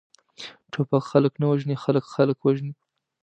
ټوپک خلک نه وژني، خلک، خلک وژني!